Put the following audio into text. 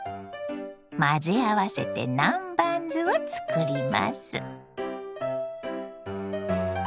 混ぜ合わせて南蛮酢を作ります。